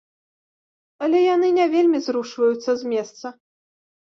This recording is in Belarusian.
Але яны не вельмі зрушваюцца з месца.